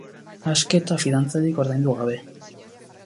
Aske eta fidantzarik ordaindu gabe.